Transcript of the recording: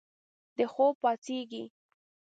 د خوب پاڅیږې